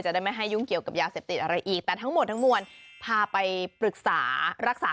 ได้ไม่ให้ยุ่งเกี่ยวกับยาเสพติดอะไรอีกแต่ทั้งหมดทั้งมวลพาไปปรึกษารักษา